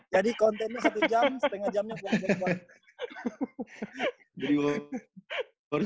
jadi kontennya satu jam setengah jamnya buang buang